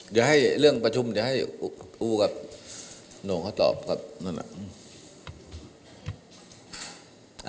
เดี๋ยวให้เรื่องประชุมเดี๋ยวให้ครูกับโหน่งเขาตอบครับนั่นน่ะ